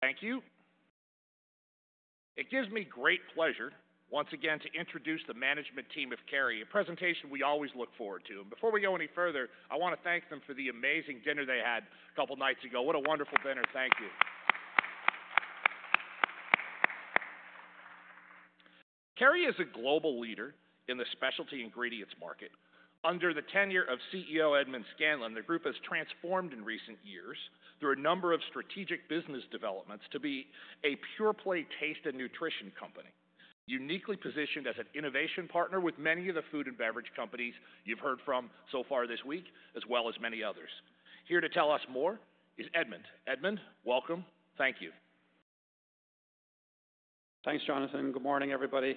Thank you. It gives me great pleasure, once again, to introduce the management team of Kerry, a presentation we always look forward to. And before we go any further, I want to thank them for the amazing dinner they had a couple of nights ago. What a wonderful dinner. Thank you. Kerry is a global leader in the specialty ingredients market. Under the tenure of CEO Edmond Scanlon, the group has transformed in recent years through a number of strategic business developments to be a pure play taste and nutrition company, uniquely positioned as an innovation partner with many of the food and beverage companies you've heard from so far this week, as well as many others. Here to tell us more is Edmond. Edmond, welcome. Thank you. Thanks, Jonathan. Good morning, everybody.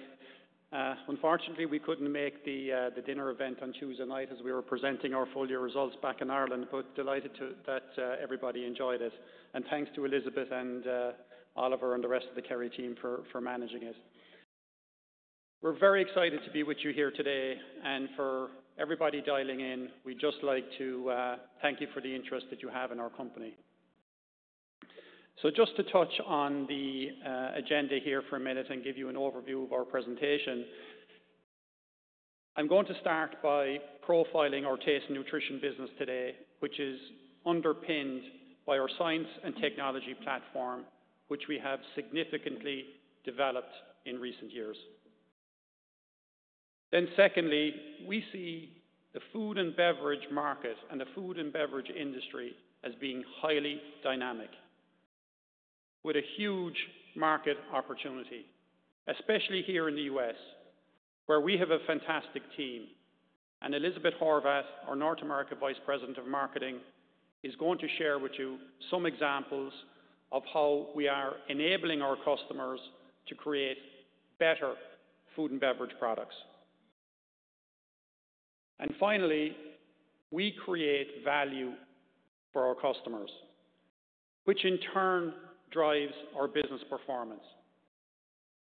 Unfortunately, we couldn't make the dinner event on Tuesday night as we were presenting our full year results back in Ireland, but delighted that everybody enjoyed it, and thanks to Elizabeth and Oliver and the rest of the Kerry team for managing it. We're very excited to be with you here today, and for everybody dialing in, we'd just like to thank you for the interest that you have in our company, so just to touch on the agenda here for a minute and give you an overview of our presentation, I'm going to start by profiling our taste and nutrition business today, which is underpinned by our science and technology platform, which we have significantly developed in recent years. Then secondly, we see the food and beverage market and the food and beverage industry as being highly dynamic, with a huge market opportunity, especially here in the U.S., where we have a fantastic team. And Elizabeth Horvath, our North America Vice President of Marketing, is going to share with you some examples of how we are enabling our customers to create better food and beverage products. And finally, we create value for our customers, which in turn drives our business performance.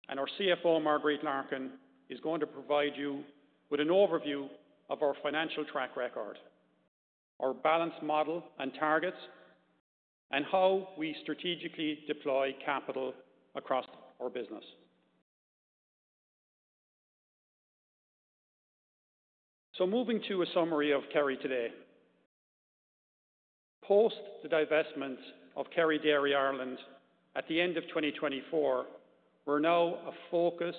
And our CFO, Marguerite Larkin, is going to provide you with an overview of our financial track record, our balance model and targets, and how we strategically deploy capital across our business. So moving to a summary of Kerry today. Post the divestment of Kerry Dairy Ireland at the end of 2024, we're now a focused,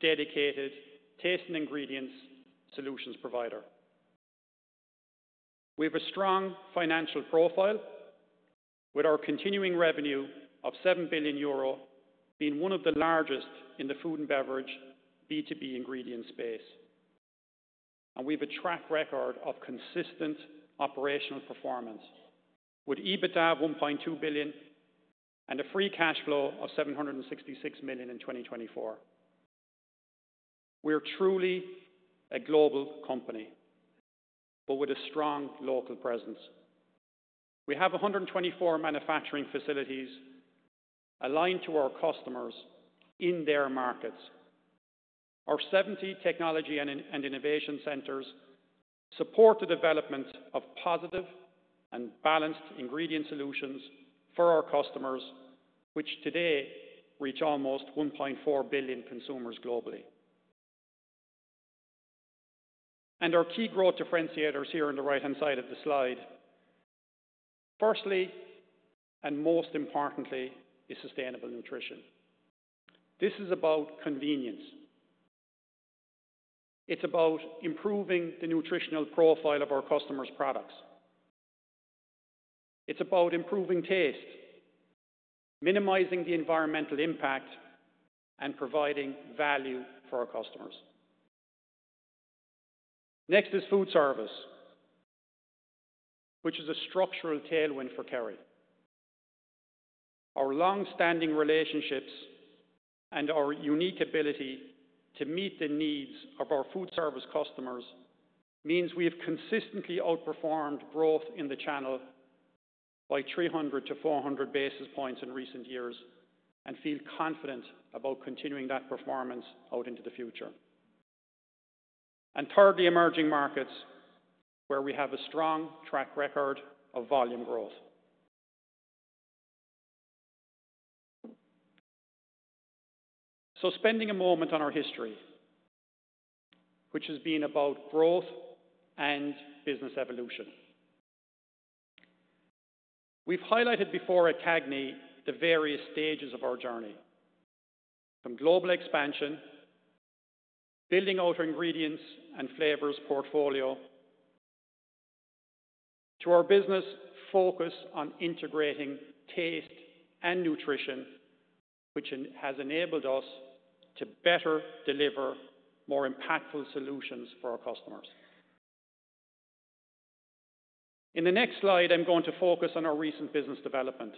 dedicated taste and ingredients solutions provider. We have a strong financial profile, with our continuing revenue of 7 billion euro being one of the largest in the food and beverage B2B ingredients space, and we have a track record of consistent operational performance, with EBITDA of 1.2 billion and a free cash flow of 766 million in 2024. We are truly a global company, but with a strong local presence. We have 124 manufacturing facilities aligned to our customers in their markets. Our 70 technology and innovation centers support the development of positive and balanced ingredient solutions for our customers, which today reach almost 1.4 billion consumers globally, and our key growth differentiators here on the right-hand side of the slide. Firstly, and most importantly, is sustainable nutrition. This is about convenience. It's about improving the nutritional profile of our customers' products. It's about improving taste, minimizing the environmental impact, and providing value for our customers. Next is foodservice, which is a structural tailwind for Kerry. Our long-standing relationships and our unique ability to meet the needs of our foodservice customers means we have consistently outperformed growth in the channel by 300 to 400 basis points in recent years and feel confident about continuing that performance out into the future, and thirdly, emerging markets, where we have a strong track record of volume growth, so spending a moment on our history, which has been about growth and business evolution. We've highlighted before at CAGNI the various stages of our journey, from global expansion, building out our ingredients and flavors portfolio, to our business focus on integrating taste and nutrition, which has enabled us to better deliver more impactful solutions for our customers. In the next slide, I'm going to focus on our recent business development,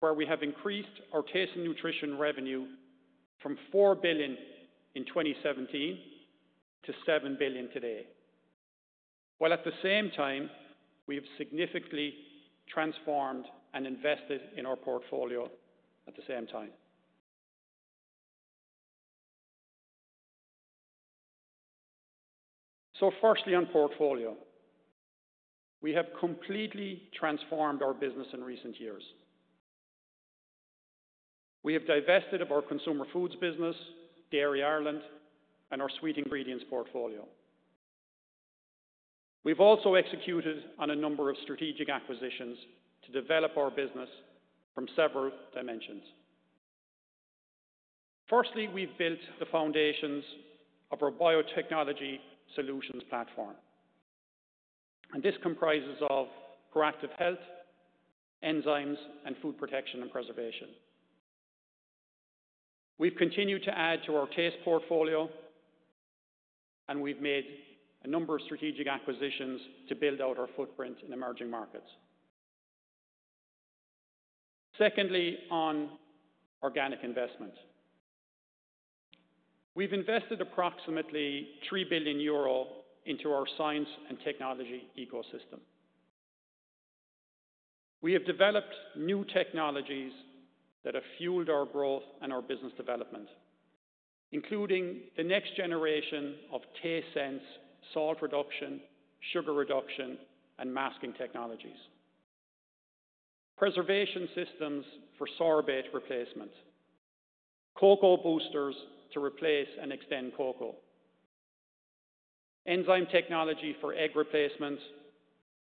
where we have increased our taste and nutrition revenue from 4 billion in 2017 to 7 billion today, while at the same time, we have significantly transformed and invested in our portfolio at the same time. So firstly, on portfolio, we have completely transformed our business in recent years. We have divested of our consumer foods business, Dairy Ireland, and our sweet ingredients portfolio. We've also executed on a number of strategic acquisitions to develop our business from several dimensions. Firstly, we've built the foundations of our biotechnology solutions platform. And this comprises of ProActive Health, enzymes, and food protection and preservation. We've continued to add to our taste portfolio, and we've made a number of strategic acquisitions to build out our footprint in emerging markets. Secondly, on organic investment, we've invested approximately 3 billion euro into our science and technology ecosystem. We have developed new technologies that have fueled our growth and our business development, including the next generation of TasteSense, salt reduction, sugar reduction, and masking technologies, preservation systems for sorbate replacement, cocoa boosters to replace and extend cocoa, enzyme technology for egg replacements,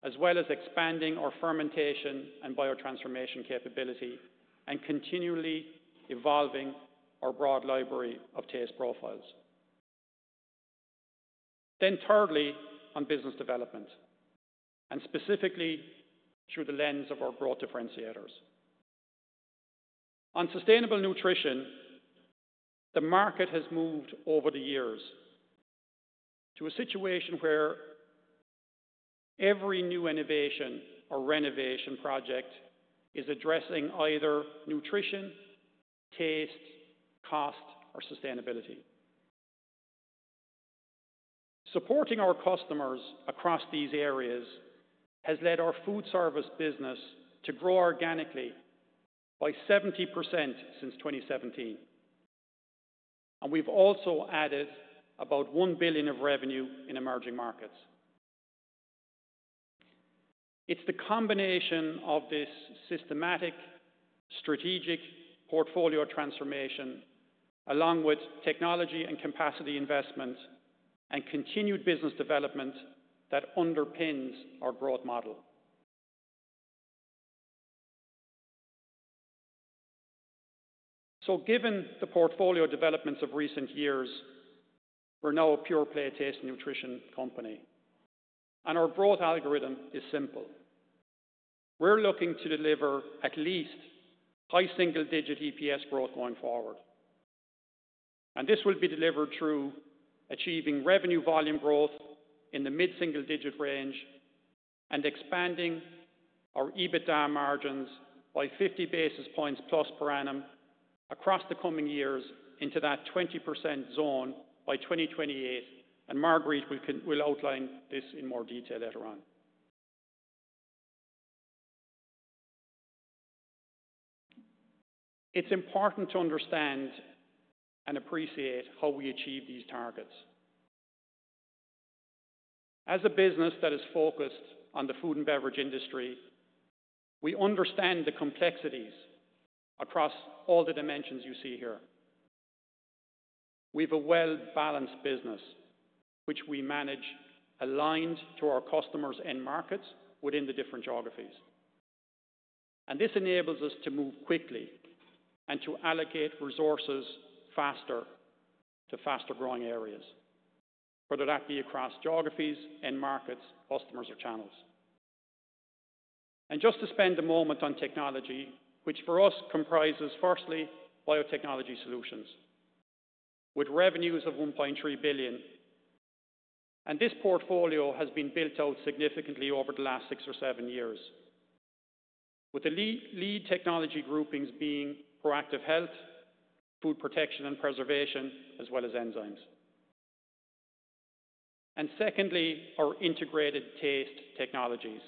as well as expanding our fermentation and biotransformation capability and continually evolving our broad library of taste profiles. Then thirdly, on business development, and specifically through the lens of our growth differentiators. On sustainable nutrition, the market has moved over the years to a situation where every new innovation or renovation project is addressing either nutrition, taste, cost, or sustainability. Supporting our customers across these areas has led our foodservice business to grow organically by 70% since 2017. And we've also added about 1 billion of revenue in emerging markets. It's the combination of this systematic, strategic portfolio transformation, along with technology and capacity investment, and continued business development that underpins our growth model. So given the portfolio developments of recent years, we're now a pure play taste and nutrition company. And our growth algorithm is simple. We're looking to deliver at least high single-digit EPS growth going forward. And this will be delivered through achieving revenue volume growth in the mid-single-digit range and expanding our EBITDA margins by 50 basis points plus per annum across the coming years into that 20% zone by 2028. And Marguerite will outline this in more detail later on. It's important to understand and appreciate how we achieve these targets. As a business that is focused on the food and beverage industry, we understand the complexities across all the dimensions you see here. We have a well-balanced business, which we manage aligned to our customers and markets within the different geographies. And this enables us to move quickly and to allocate resources faster to faster-growing areas, whether that be across geographies and markets, customers, or channels. And just to spend a moment on technology, which for us comprises firstly biotechnology solutions, with revenues of 1.3 billion. And this portfolio has been built out significantly over the last six or seven years, with the lead technology groupings being ProActive Health, food protection and preservation, as well as enzymes. And secondly, our integrated taste technologies,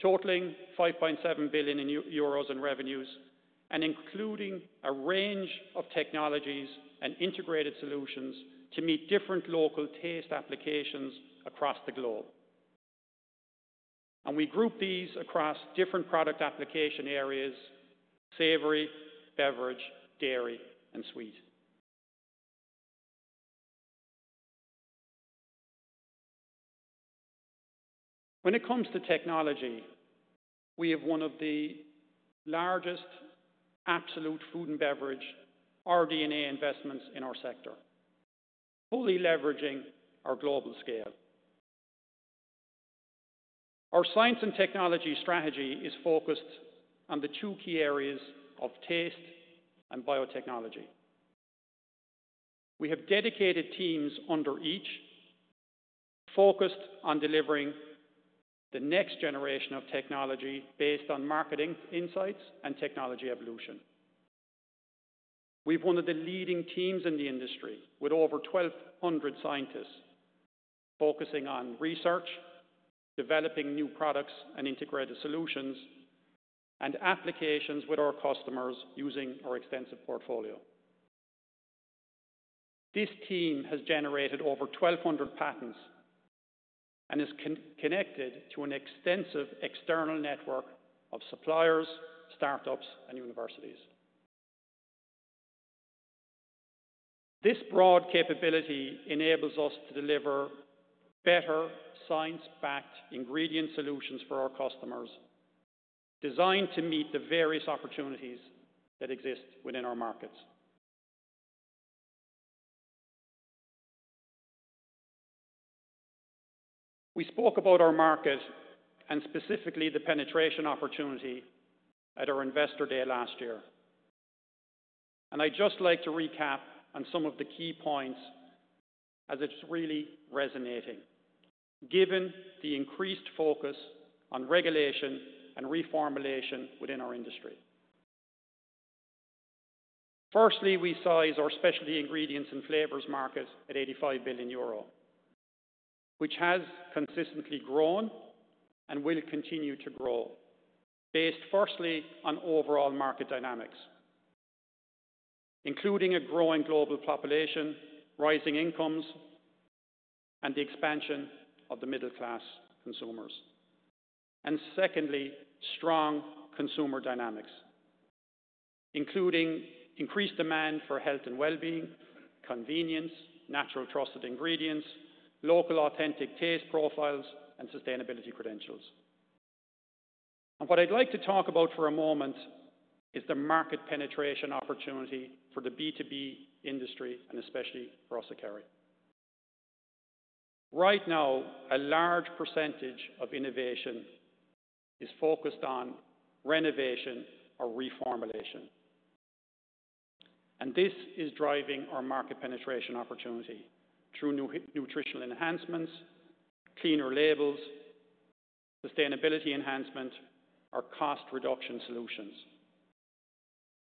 totaling 5.7 billion euros in revenues and including a range of technologies and integrated solutions to meet different local taste applications across the globe. And we group these across different product application areas: savory, beverage, dairy, and sweet. When it comes to technology, we have one of the largest absolute food and beverage RD&A investments in our sector, fully leveraging our global scale. Our science and technology strategy is focused on the two key areas of taste and biotechnology. We have dedicated teams under each, focused on delivering the next generation of technology based on marketing insights and technology evolution. We've one of the leading teams in the industry with over 1,200 scientists focusing on research, developing new products and integrated solutions, and applications with our customers using our extensive portfolio. This team has generated over 1,200 patents and is connected to an extensive external network of suppliers, startups, and universities. This broad capability enables us to deliver better science-backed ingredient solutions for our customers, designed to meet the various opportunities that exist within our markets. We spoke about our market and specifically the penetration opportunity at our investor day last year. And I'd just like to recap on some of the key points as it's really resonating, given the increased focus on regulation and reformulation within our industry. Firstly, we size our specialty ingredients and flavors market at EUR 85 billion, which has consistently grown and will continue to grow, based firstly on overall market dynamics, including a growing global population, rising incomes, and the expansion of the middle-class consumers. And secondly, strong consumer dynamics, including increased demand for health and well-being, convenience, natural trusted ingredients, local authentic taste profiles, and sustainability credentials. What I'd like to talk about for a moment is the market penetration opportunity for the B2B industry, and especially for us at Kerry. Right now, a large percentage of innovation is focused on renovation or reformulation. And this is driving our market penetration opportunity through nutritional enhancements, cleaner labels, sustainability enhancement, or cost reduction solutions.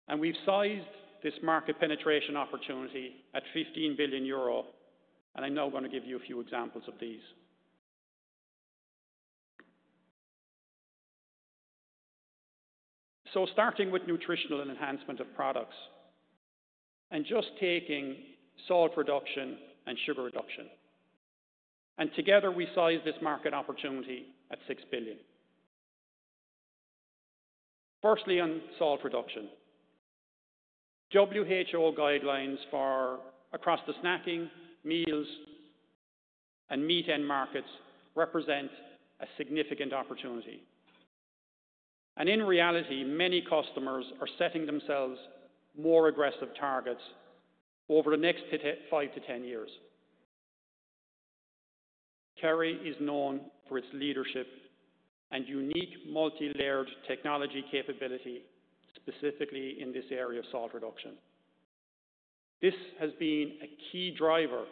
And we've sized this market penetration opportunity at 15 billion euro, and I'm now going to give you a few examples of these. So starting with nutritional enhancement of products and just taking salt reduction and sugar reduction. And together, we size this market opportunity at 6 billion. Firstly, on salt reduction, WHO guidelines for across the snacking, meals, and meat end markets represent a significant opportunity. And in reality, many customers are setting themselves more aggressive targets over the next five to 10 years. Kerry is known for its leadership and unique multi-layered technology capability, specifically in this area of salt reduction. This has been a key driver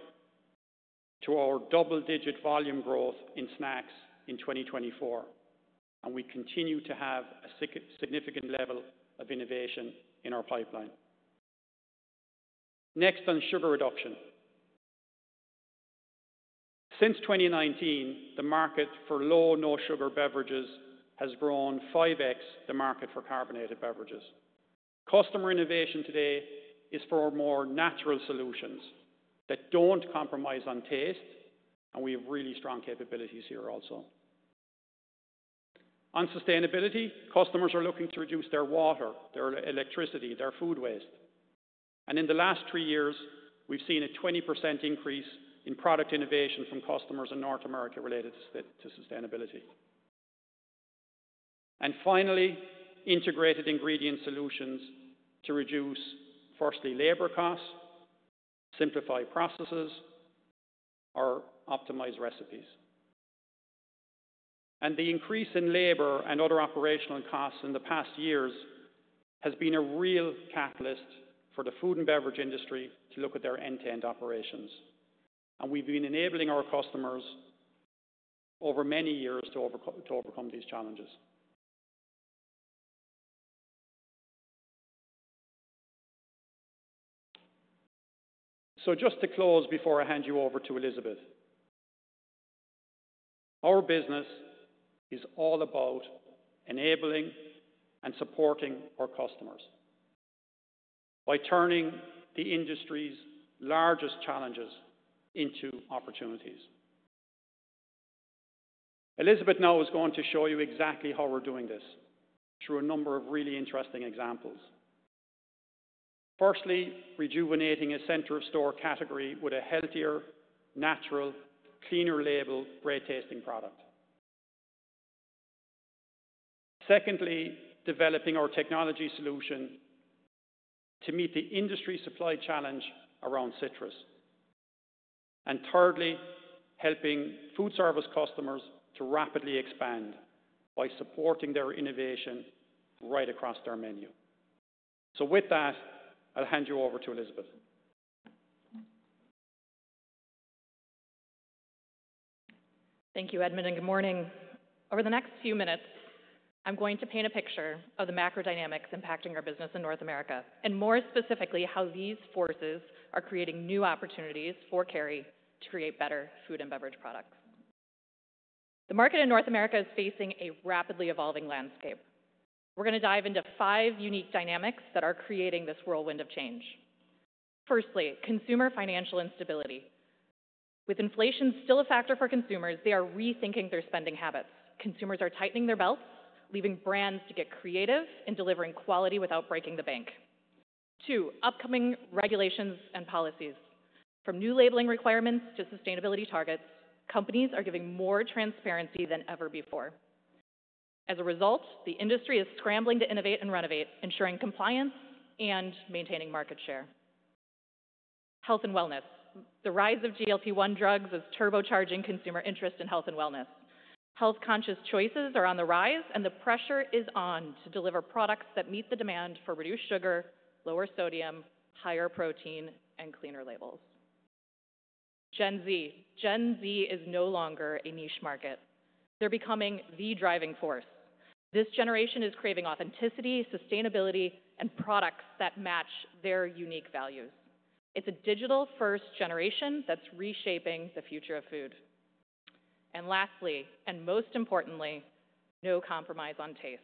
to our double-digit volume growth in snacks in 2024, and we continue to have a significant level of innovation in our pipeline. Next, on sugar reduction. Since 2019, the market for low/no-sugar beverages has grown 5x the market for carbonated beverages. Customer innovation today is for more natural solutions that don't compromise on taste, and we have really strong capabilities here also. On sustainability, customers are looking to reduce their water, their electricity, their food waste, and in the last three years, we've seen a 20% increase in product innovation from customers in North America related to sustainability, and finally, integrated ingredient solutions to reduce firstly labor costs, simplify processes, or optimize recipes. The increase in labor and other operational costs in the past years has been a real catalyst for the food and beverage industry to look at their end-to-end operations. We've been enabling our customers over many years to overcome these challenges. Just to close before I hand you over to Elizabeth, our business is all about enabling and supporting our customers by turning the industry's largest challenges into opportunities. Elizabeth now is going to show you exactly how we're doing this through a number of really interesting examples. Firstly, rejuvenating a center of store category with a healthier, natural, cleaner labeled great tasting product. Secondly, developing our technology solution to meet the industry supply challenge around citrus. Thirdly, helping foodservice customers to rapidly expand by supporting their innovation right across their menu. With that, I'll hand you over to Elizabeth. Thank you, Edmond, and good morning. Over the next few minutes, I'm going to paint a picture of the macro dynamics impacting our business in North America and more specifically how these forces are creating new opportunities for Kerry to create better food and beverage products. The market in North America is facing a rapidly evolving landscape. We're going to dive into five unique dynamics that are creating this whirlwind of change. Firstly, consumer financial instability. With inflation still a factor for consumers, they are rethinking their spending habits. Consumers are tightening their belts, leaving brands to get creative and delivering quality without breaking the bank. Two, upcoming regulations and policies. From new labeling requirements to sustainability targets, companies are giving more transparency than ever before. As a result, the industry is scrambling to innovate and renovate, ensuring compliance and maintaining market share. Health and wellness. The rise of GLP-1 drugs is turbocharging consumer interest in health and wellness. Health-conscious choices are on the rise, and the pressure is on to deliver products that meet the demand for reduced sugar, lower sodium, higher protein, and cleaner labels. Gen Z. Gen Z is no longer a niche market. They're becoming the driving force. This generation is craving authenticity, sustainability, and products that match their unique values. It's a digital first generation that's reshaping the future of food. And lastly, and most importantly, no compromise on taste.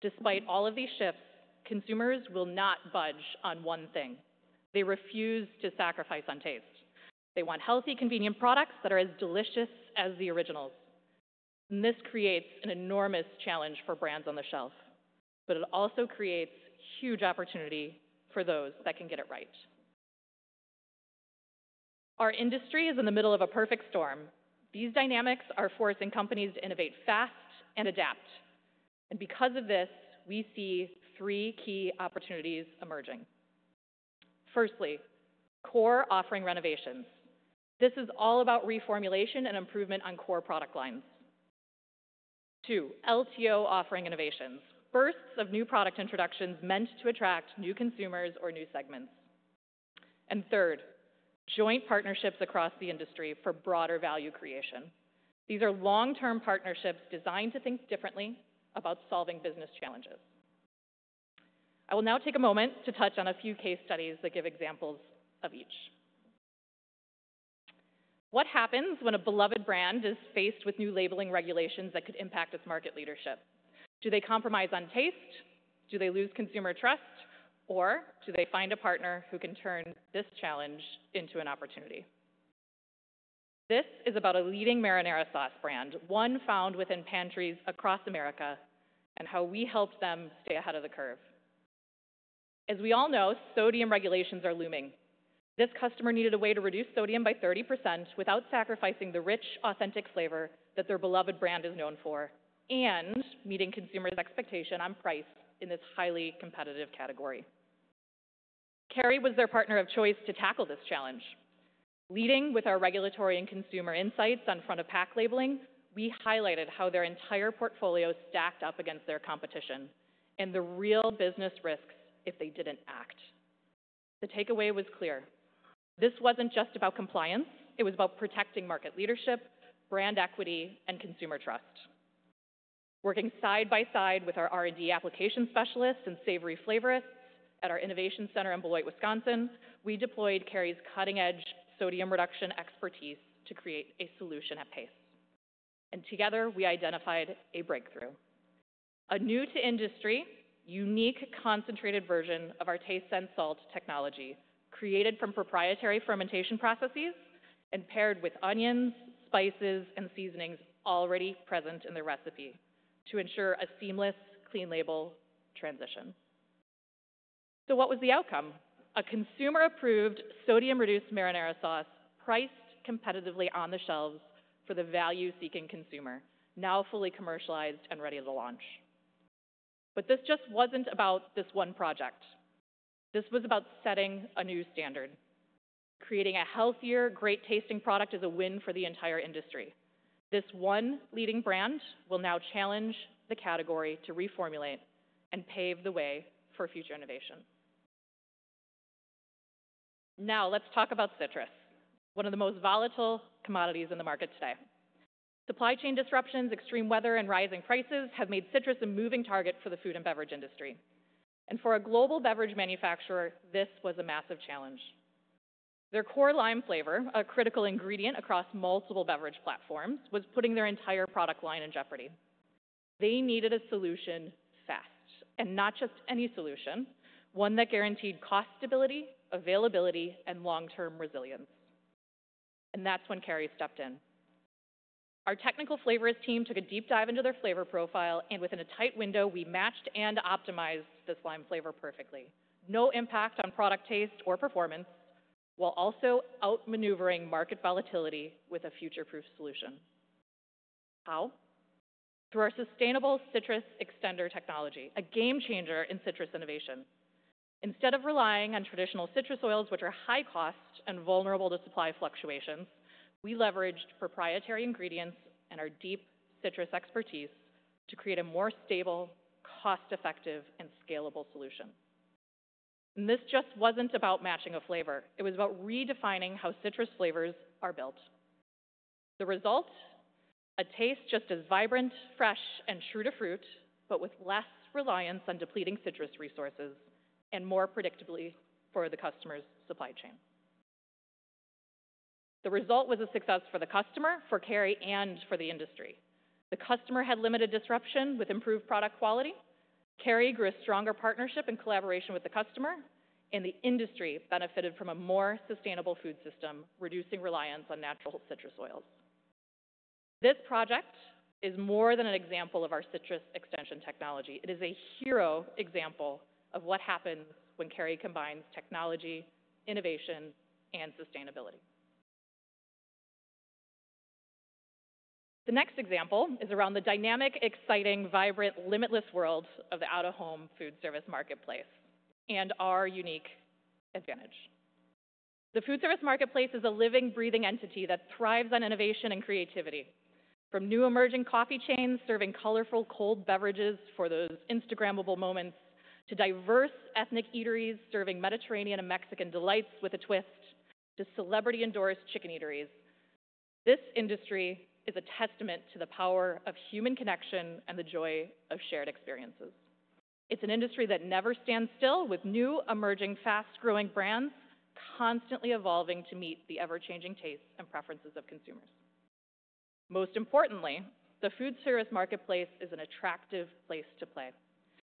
Despite all of these shifts, consumers will not budge on one thing. They refuse to sacrifice on taste. They want healthy, convenient products that are as delicious as the originals. And this creates an enormous challenge for brands on the shelf, but it also creates huge opportunity for those that can get it right. Our industry is in the middle of a perfect storm. These dynamics are forcing companies to innovate fast and adapt. And because of this, we see three key opportunities emerging. Firstly, core offering renovations. This is all about reformulation and improvement on core product lines. Two, LTO offering innovations. Bursts of new product introductions meant to attract new consumers or new segments. And third, joint partnerships across the industry for broader value creation. These are long-term partnerships designed to think differently about solving business challenges. I will now take a moment to touch on a few case studies that give examples of each. What happens when a beloved brand is faced with new labeling regulations that could impact its market leadership? Do they compromise on taste? Do they lose consumer trust? Or do they find a partner who can turn this challenge into an opportunity? This is about a leading marinara sauce brand, one found within pantries across America, and how we helped them stay ahead of the curve. As we all know, sodium regulations are looming. This customer needed a way to reduce sodium by 30% without sacrificing the rich, authentic flavor that their beloved brand is known for and meeting consumers' expectation on price in this highly competitive category. Kerry was their partner of choice to tackle this challenge. Leading with our regulatory and consumer insights on front-of-pack labeling, we highlighted how their entire portfolio stacked up against their competition and the real business risks if they didn't act. The takeaway was clear. This wasn't just about compliance. It was about protecting market leadership, brand equity, and consumer trust. Working side by side with our R&D application specialists and savory flavorists at our innovation center in Beloit, Wisconsin, we deployed Kerry's cutting-edge sodium reduction expertise to create a solution at pace and together we identified a breakthrough: a new-to-industry, unique concentrated version of our TasteSense salt technology created from proprietary fermentation processes and paired with onions, spices, and seasonings already present in the recipe to ensure a seamless, clean label transition, so what was the outcome? A consumer-approved sodium-reduced marinara sauce priced competitively on the shelves for the value-seeking consumer, now fully commercialized and ready to launch, but this just wasn't about this one project. This was about setting a new standard. Creating a healthier, great tasting product is a win for the entire industry. This one leading brand will now challenge the category to reformulate and pave the way for future innovation. Now let's talk about citrus, one of the most volatile commodities in the market today. Supply chain disruptions, extreme weather, and rising prices have made citrus a moving target for the food and beverage industry. And for a global beverage manufacturer, this was a massive challenge. Their core lime flavor, a critical ingredient across multiple beverage platforms, was putting their entire product line in jeopardy. They needed a solution fast, and not just any solution, one that guaranteed cost stability, availability, and long-term resilience. And that's when Kerry stepped in. Our technical flavorist team took a deep dive into their flavor profile, and within a tight window, we matched and optimized this lime flavor perfectly. No impact on product taste or performance while also outmaneuvering market volatility with a future-proof solution. How? Through our sustainable citrus extender technology, a game changer in citrus innovation. Instead of relying on traditional citrus oils, which are high cost and vulnerable to supply fluctuations, we leveraged proprietary ingredients and our deep citrus expertise to create a more stable, cost-effective, and scalable solution. And this just wasn't about matching a flavor. It was about redefining how citrus flavors are built. The result? A taste just as vibrant, fresh, and true to fruit, but with less reliance on depleting citrus resources and more predictably for the customer's supply chain. The result was a success for the customer, for Kerry, and for the industry. The customer had limited disruption with improved product quality. Kerry grew a stronger partnership and collaboration with the customer, and the industry benefited from a more sustainable food system, reducing reliance on natural citrus oils. This project is more than an example of our citrus extension technology. It is a hero example of what happens when Kerry combines technology, innovation, and sustainability. The next example is around the dynamic, exciting, vibrant, limitless world of the out-of-home foodservice marketplace and our unique advantage. The foodservice marketplace is a living, breathing entity that thrives on innovation and creativity. From new emerging coffee chains serving colorful cold beverages for those Instagrammable moments to diverse ethnic eateries serving Mediterranean and Mexican delights with a twist to celebrity-endorsed chicken eateries, this industry is a testament to the power of human connection and the joy of shared experiences. It's an industry that never stands still, with new, emerging, fast-growing brands constantly evolving to meet the ever-changing tastes and preferences of consumers. Most importantly, the foodservice marketplace is an attractive place to play.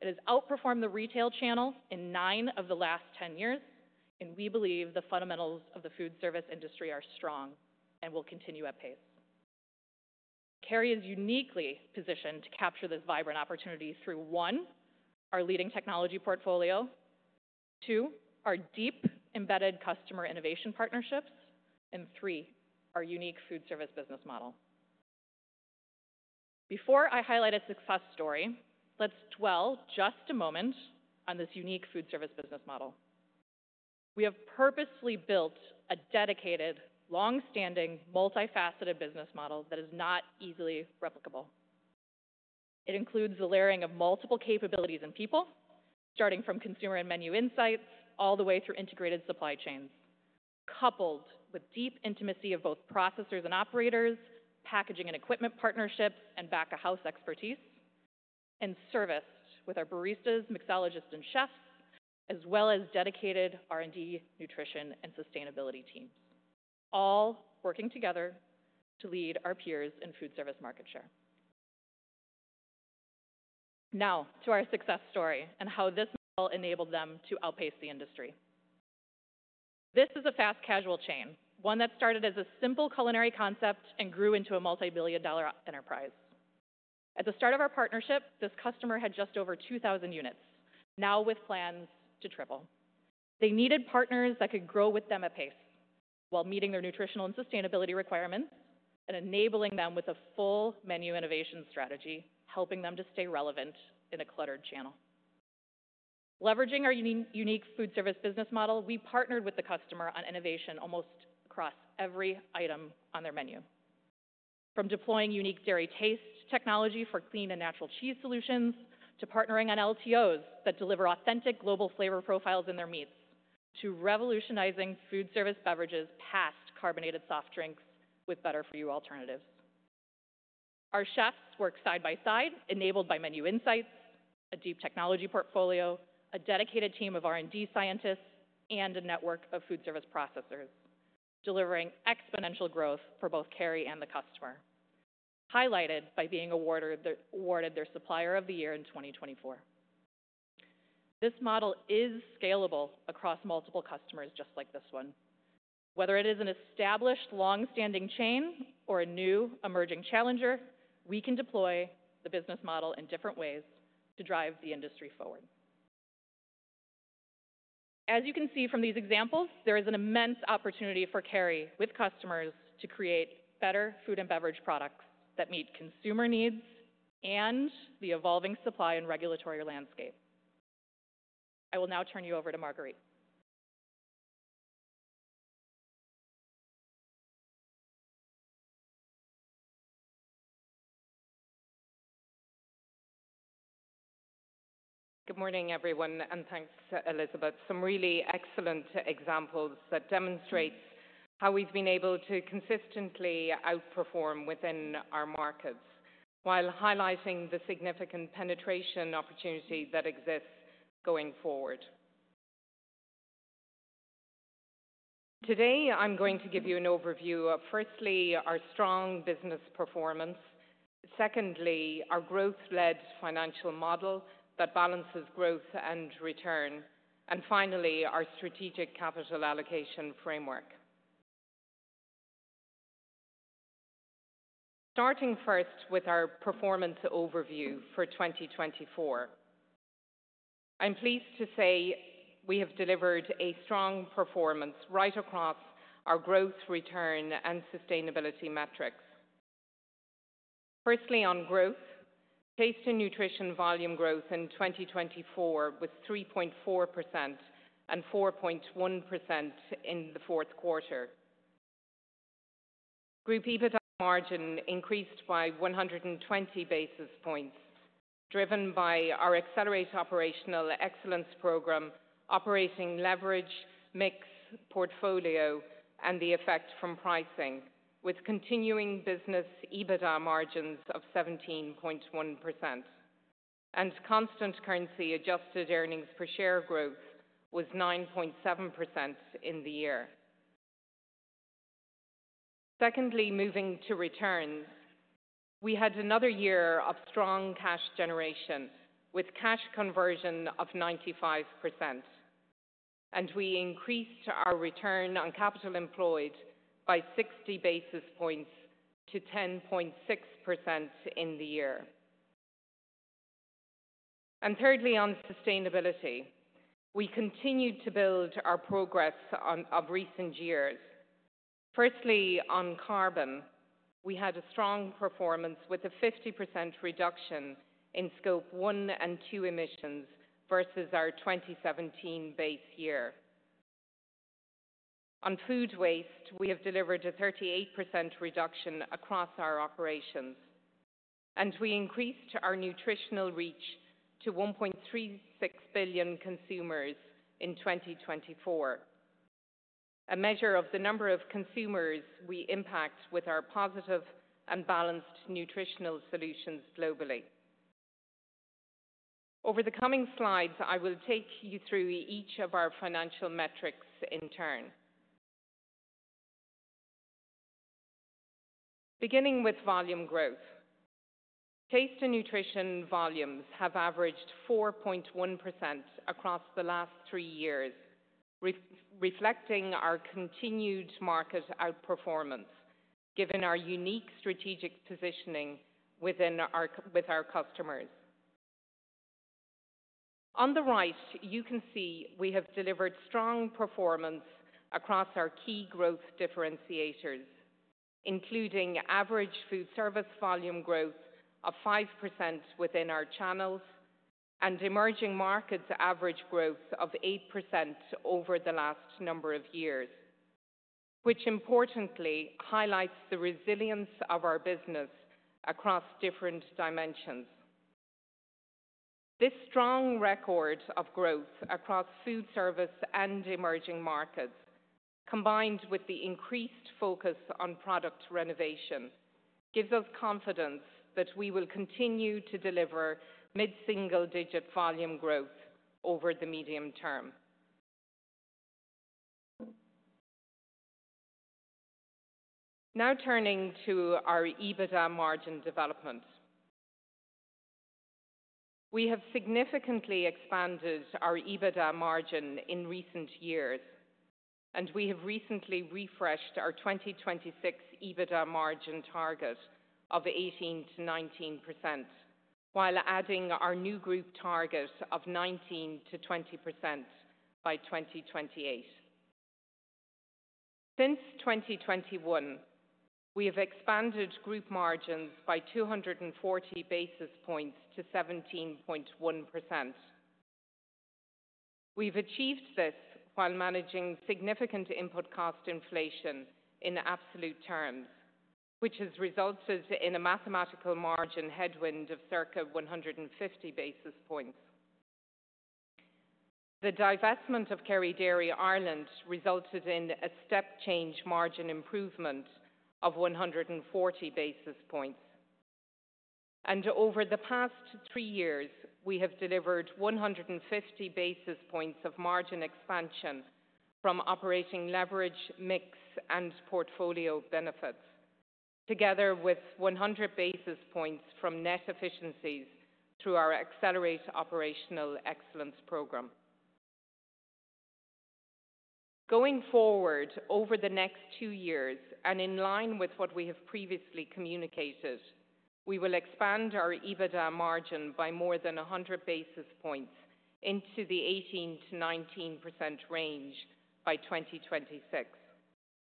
It has outperformed the retail channel in nine of the last 10 years, and we believe the fundamentals of the foodservice industry are strong and will continue at pace. Kerry is uniquely positioned to capture this vibrant opportunity through, one, our leading technology portfolio, two, our deep embedded customer innovation partnerships, and three, our unique foodservice business model. Before I highlight a success story, let's dwell just a moment on this unique foodservice business model. We have purposely built a dedicated, long-standing, multifaceted business model that is not easily replicable. It includes the layering of multiple capabilities and people, starting from consumer and menu insights all the way through integrated supply chains, coupled with deep intimacy of both processors and operators, packaging and equipment partnerships, and back-of-house expertise, and serviced with our baristas, mixologists, and chefs, as well as dedicated R&D, nutrition, and sustainability teams, all working together to lead our peers in foodservice market share. Now to our success story and how this model enabled them to outpace the industry. This is a fast casual chain, one that started as a simple culinary concept and grew into a multi-billion dollar enterprise. At the start of our partnership, this customer had just over 2,000 units, now with plans to triple. They needed partners that could grow with them at pace while meeting their nutritional and sustainability requirements and enabling them with a full menu innovation strategy, helping them to stay relevant in a cluttered channel. Leveraging our unique foodservice business model, we partnered with the customer on innovation almost across every item on their menu. From deploying unique dairy taste technology for clean and natural cheese solutions to partnering on LTOs that deliver authentic global flavor profiles in their meats to revolutionizing foodservice beverages past carbonated soft drinks with better-for-you alternatives. Our chefs work side by side, enabled by menu insights, a deep technology portfolio, a dedicated team of R&D scientists, and a network of foodservice processors, delivering exponential growth for both Kerry and the customer, highlighted by being awarded their Supplier of the Year in 2024. This model is scalable across multiple customers just like this one. Whether it is an established, long-standing chain or a new, emerging challenger, we can deploy the business model in different ways to drive the industry forward. As you can see from these examples, there is an immense opportunity for Kerry with customers to create better food and beverage products that meet consumer needs and the evolving supply and regulatory landscape. I will now turn you over to Marguerite. Good morning, everyone, and thanks, Elizabeth. Some really excellent examples that demonstrate how we've been able to consistently outperform within our markets while highlighting the significant penetration opportunity that exists going forward. Today, I'm going to give you an overview of, firstly, our strong business performance. Secondly, our growth-led financial model that balances growth and return, and finally, our strategic capital allocation framework. Starting first with our performance overview for 2024, I'm pleased to say we have delivered a strong performance right across our growth, return, and sustainability metrics. Firstly, on growth, taste and nutrition volume growth in 2024 was 3.4% and 4.1% in the fourth quarter. Group EBITDA margin increased by 120 basis points, driven by our accelerated operational excellence program, operating leverage, mix, portfolio, and the effect from pricing, with continuing business EBITDA margins of 17.1%, and constant currency-adjusted earnings per share growth was 9.7% in the year. Secondly, moving to returns, we had another year of strong cash generation with cash conversion of 95%, and we increased our return on capital employed by 60 basis points to 10.6% in the year, and thirdly, on sustainability, we continued to build our progress of recent years. Firstly, on carbon, we had a strong performance with a 50% reduction in Scope 1 and 2 emissions versus our 2017 base year. On food waste, we have delivered a 38% reduction across our operations. And we increased our nutritional reach to 1.36 billion consumers in 2024, a measure of the number of consumers we impact with our positive and balanced nutritional solutions globally. Over the coming slides, I will take you through each of our financial metrics in turn. Beginning with volume growth, taste and nutrition volumes have averaged 4.1% across the last three years, reflecting our continued market outperformance given our unique strategic positioning within our customers. On the right, you can see we have delivered strong performance across our key growth differentiators, including average foodservice volume growth of 5% within our channels and emerging markets average growth of 8% over the last number of years, which importantly highlights the resilience of our business across different dimensions. This strong record of growth across foodservice and emerging markets, combined with the increased focus on product renovation, gives us confidence that we will continue to deliver mid-single-digit volume growth over the medium term. Now turning to our EBITDA margin development. We have significantly expanded our EBITDA margin in recent years, and we have recently refreshed our 2026 EBITDA margin target of 18%-19% while adding our new group target of 19%-20% by 2028. Since 2021, we have expanded group margins by 240 basis points to 17.1%. We've achieved this while managing significant input cost inflation in absolute terms, which has resulted in a mathematical margin headwind of circa 150 basis points. The divestment of Kerry Dairy Ireland resulted in a step-change margin improvement of 140 basis points, and over the past three years, we have delivered 150 basis points of margin expansion from operating leverage, mix, and portfolio benefits, together with 100 basis points from net efficiencies through our accelerated operational excellence program. Going forward, over the next two years, and in line with what we have previously communicated, we will expand our EBITDA margin by more than 100 basis points into the 18%-19% range by 2026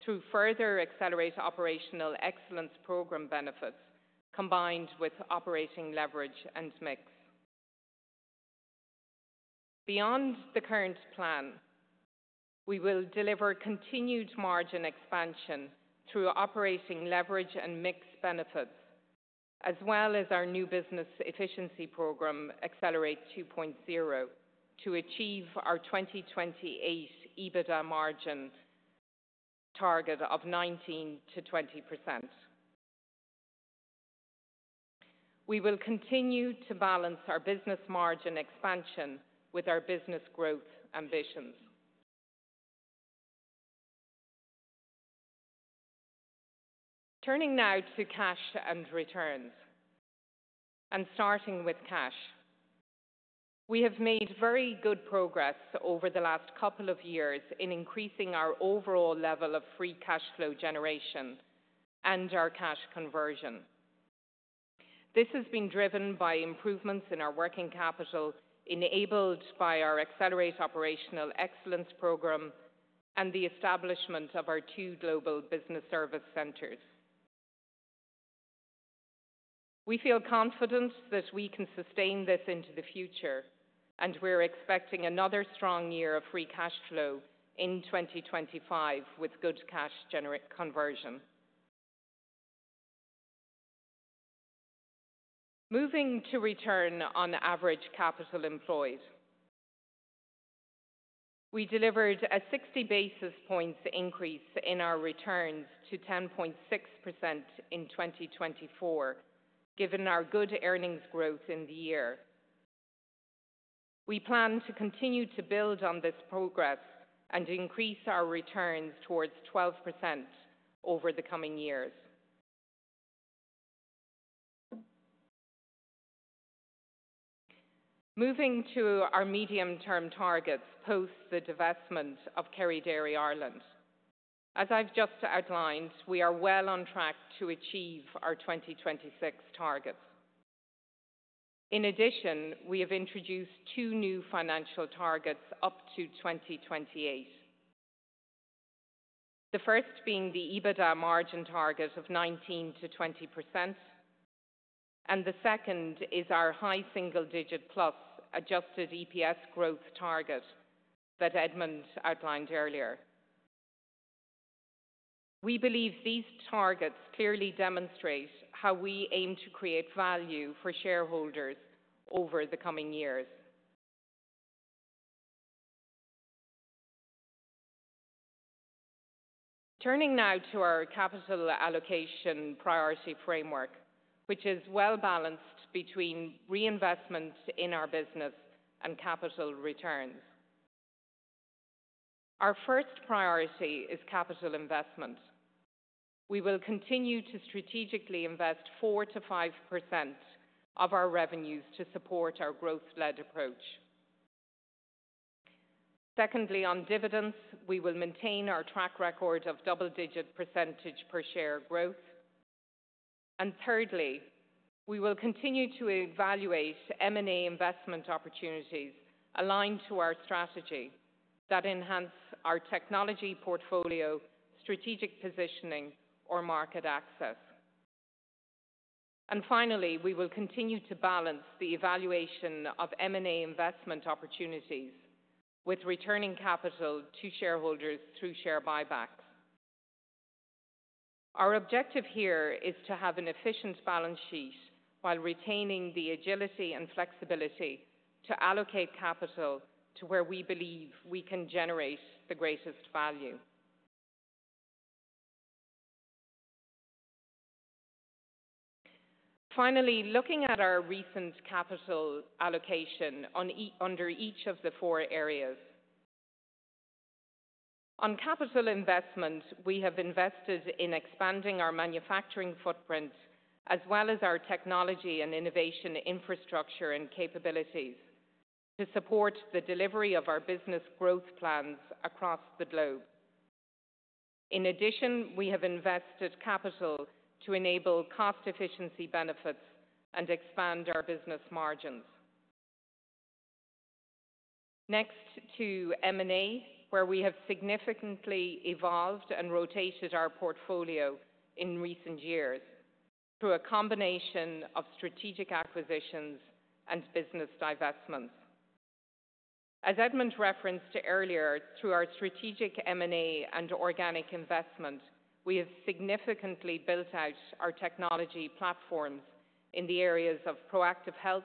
through further accelerated operational excellence program benefits combined with operating leverage and mix. Beyond the current plan, we will deliver continued margin expansion through operating leverage and mix benefits, as well as our new business efficiency program, Accelerate 2.0, to achieve our 2028 EBITDA margin target of 19%-20%. We will continue to balance our business margin expansion with our business growth ambitions. Turning now to cash and returns, and starting with cash. We have made very good progress over the last couple of years in increasing our overall level of free cash flow generation and our cash conversion. This has been driven by improvements in our working capital enabled by our accelerated operational excellence program and the establishment of our two global business service centers. We feel confident that we can sustain this into the future, and we're expecting another strong year of free cash flow in 2025 with good cash conversion. Moving to return on average capital employed, we delivered a 60 basis points increase in our returns to 10.6% in 2024, given our good earnings growth in the year. We plan to continue to build on this progress and increase our returns towards 12% over the coming years. Moving to our medium-term targets post the divestment of Kerry Dairy Ireland. As I've just outlined, we are well on track to achieve our 2026 targets. In addition, we have introduced two new financial targets up to 2028, the first being the EBITDA margin target of 19%-20%, and the second is our high single-digit plus adjusted EPS growth target that Edmond outlined earlier. We believe these targets clearly demonstrate how we aim to create value for shareholders over the coming years. Turning now to our capital allocation priority framework, which is well balanced between reinvestment in our business and capital returns. Our first priority is capital investment. We will continue to strategically invest 4%-5% of our revenues to support our growth-led approach. Secondly, on dividends, we will maintain our track record of double-digit percentage per share growth. And thirdly, we will continue to evaluate M&A investment opportunities aligned to our strategy that enhance our technology portfolio, strategic positioning, or market access. And finally, we will continue to balance the evaluation of M&A investment opportunities with returning capital to shareholders through share buybacks. Our objective here is to have an efficient balance sheet while retaining the agility and flexibility to allocate capital to where we believe we can generate the greatest value. Finally, looking at our recent capital allocation under each of the four areas. On capital investment, we have invested in expanding our manufacturing footprint as well as our technology and innovation infrastructure and capabilities to support the delivery of our business growth plans across the globe. In addition, we have invested capital to enable cost efficiency benefits and expand our business margins. Next to M&A, where we have significantly evolved and rotated our portfolio in recent years through a combination of strategic acquisitions and business divestments. As Edmond referenced earlier, through our strategic M&A and organic investment, we have significantly built out our technology platforms in the areas of ProActive Health,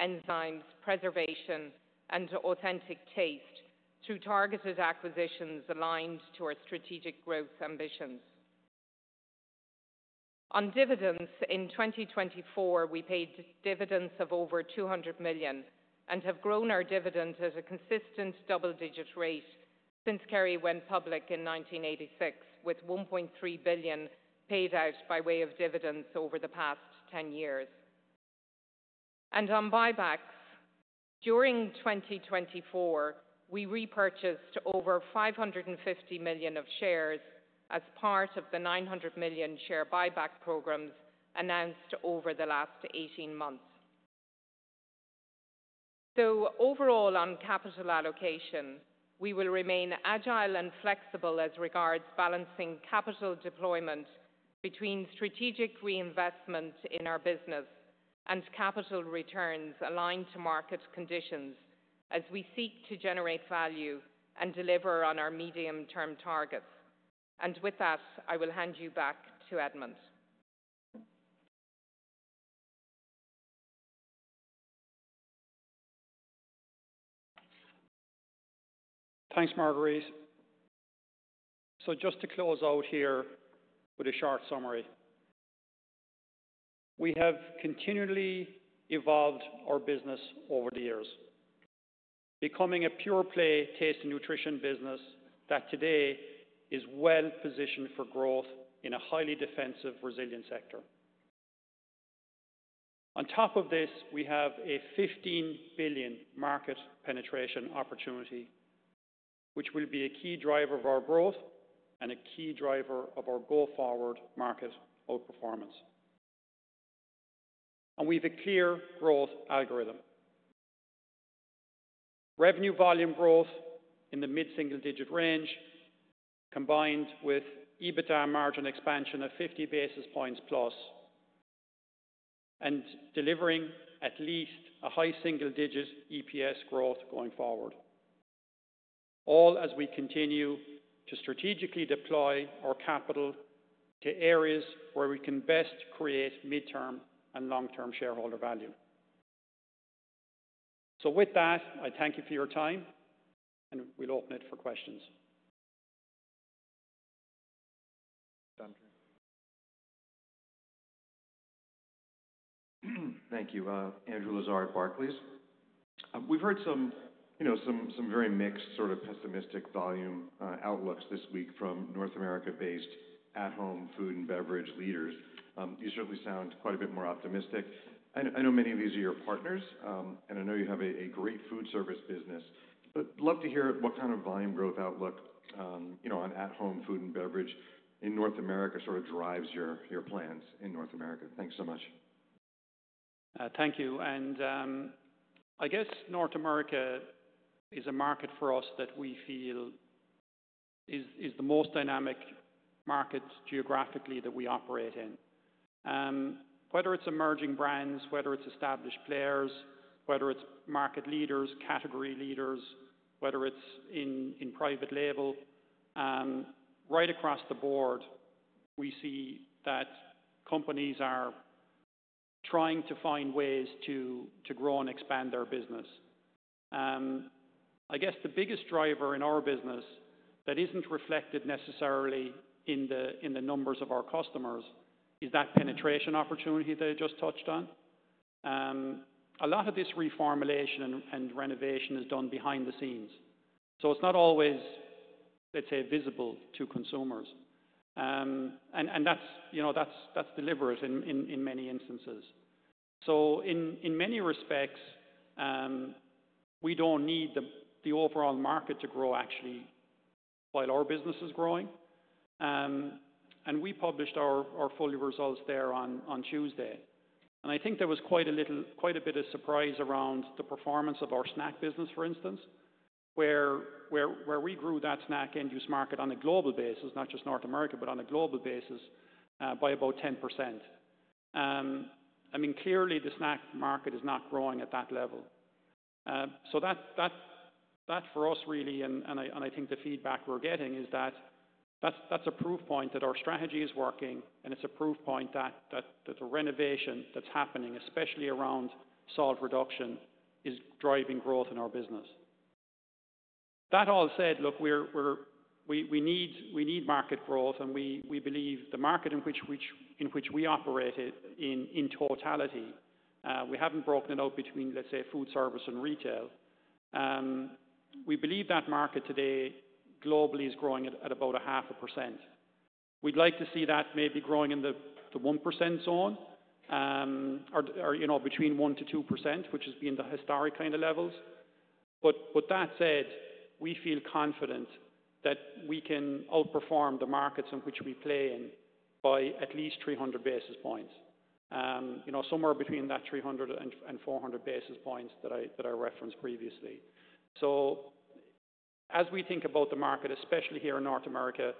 enzymes, preservation, and authentic taste through targeted acquisitions aligned to our strategic growth ambitions. On dividends, in 2024, we paid dividends of over 200 million and have grown our dividend at a consistent double-digit rate since Kerry went public in 1986, with 1.3 billion paid out by way of dividends over the past 10 years. And on buybacks, during 2024, we repurchased over 550 million of shares as part of the 900 million share buyback programs announced over the last 18 months. So overall, on capital allocation, we will remain agile and flexible as regards balancing capital deployment between strategic reinvestment in our business and capital returns aligned to market conditions as we seek to generate value and deliver on our medium-term targets. And with that, I will hand you back to Edmond. Thanks, Marguerite. So just to close out here with a short summary, we have continually evolved our business over the years, becoming a pure play taste and nutrition business that today is well positioned for growth in a highly defensive resilient sector. On top of this, we have a 15 billion market penetration opportunity, which will be a key driver of our growth and a key driver of our goal forward market outperformance. We have a clear growth algorithm. Revenue volume growth in the mid-single-digit range combined with EBITDA margin expansion of 50 basis points plus and delivering at least a high single-digit EPS growth going forward, all as we continue to strategically deploy our capital to areas where we can best create mid-term and long-term shareholder value. So with that, I thank you for your time, and we'll open it for questions. Thank you. Thank you. Andrew Lazar, please. We've heard some very mixed sort of pessimistic volume outlooks this week from North America-based at-home food and beverage leaders. You certainly sound quite a bit more optimistic. I know many of these are your partners, and I know you have a great foodservice business. I'd love to hear what kind of volume growth outlook on at-home food and beverage in North America sort of drives your plans in North America. Thanks so much. Thank you, and I guess North America is a market for us that we feel is the most dynamic market geographically that we operate in. Whether it's emerging brands, whether it's established players, whether it's market leaders, category leaders, whether it's in private label, right across the board, we see that companies are trying to find ways to grow and expand their business. I guess the biggest driver in our business that isn't reflected necessarily in the numbers of our customers is that penetration opportunity that I just touched on. A lot of this reformulation and renovation is done behind the scenes. So it's not always, let's say, visible to consumers. And that's deliberate in many instances. So in many respects, we don't need the overall market to grow actually while our business is growing. And we published our full results there on Tuesday. And I think there was quite a bit of surprise around the performance of our snack business, for instance, where we grew that snack and QSR market on a global basis, not just North America, but on a global basis by about 10%. I mean, clearly, the snack market is not growing at that level. So that for us, really, and I think the feedback we're getting is that that's a proof point that our strategy is working, and it's a proof point that the renovation that's happening, especially around salt reduction, is driving growth in our business. That all said, look, we need market growth, and we believe the market in which we operate in totality, we haven't broken it out between, let's say, foodservice and retail. We believe that market today globally is growing at about 0.5%. We'd like to see that maybe growing in the 1% zone or between 1% and 2%, which has been the historic kind of levels. But that said, we feel confident that we can outperform the markets in which we play in by at least 300 basis points, somewhere between that 300 and 400 basis points that I referenced previously. So as we think about the market, especially here in North America,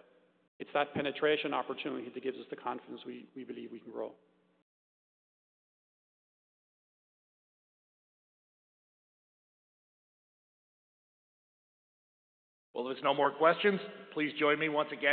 it's that penetration opportunity that gives us the confidence we believe we can grow. Well, if there's no more questions, please join me once again.